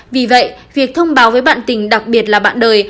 vì vậy việc thông báo với bạn tình đặc biệt là bạn đời